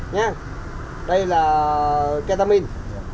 nha đây là ketamine